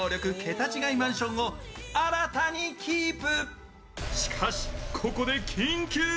桁違いマンションを新たにキープ！